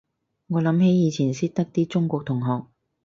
我諗起以前識得啲中國同學